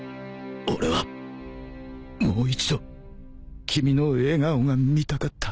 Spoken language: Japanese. もう一度君の笑顔が見たかった！